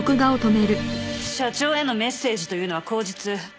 社長へのメッセージというのは口実。